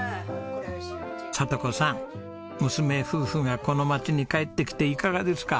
智子さん娘夫婦がこの町に帰ってきていかがですか？